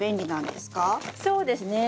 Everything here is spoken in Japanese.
そうですね。